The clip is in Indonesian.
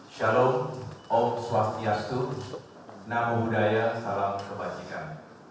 shalom om swastiastu namo buddhaya salam kebajikan